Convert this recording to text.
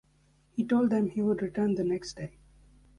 He told them he would return the next day.